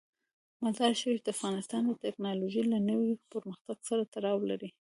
مزارشریف د افغانستان د تکنالوژۍ له نوي پرمختګ سره تړاو لري.